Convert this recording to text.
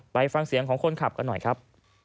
ไปฟังเสียงของคนขับกันหน่อยครับ